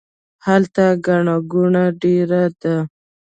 هلته ګڼه ګوڼه ډیره ده